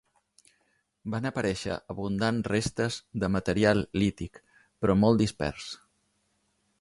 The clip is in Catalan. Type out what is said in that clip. Van aparèixer abundant restes de material lític, però molt dispers.